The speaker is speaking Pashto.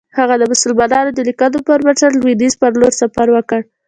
هغه د مسلمانانو د لیکنو پر بنسټ لویدیځ پر لور سفر وکړ.